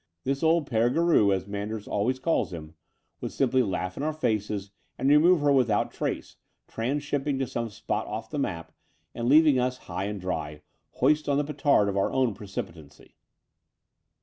This old P6re Garou, as Manders al ways calls him, would simply laugh in our faces and remove her without trace, transhipping to some spot oflf the map, and leaving us high and dry, hoist on the petard of our own precipi tancy."